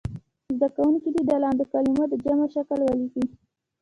زده کوونکي دې د لاندې کلمو د جمع شکل ولیکي.